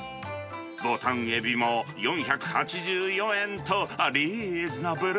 ボタンエビも４８４円と、リーズナブル。